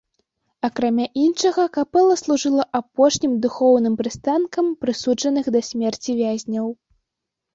Акрамя іншага, капэла служыла апошнім духоўным прыстанкам прысуджаных да смерці вязняў.